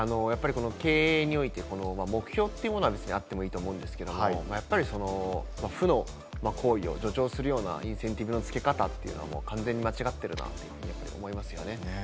経営において目標というものはあっていいと思うんですけれども、やっぱり負の行為を助長するような、インセンティブの付け方というのは完全に間違っているなと思いますね。